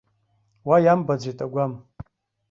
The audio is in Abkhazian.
Уа иамбаӡеит агәам!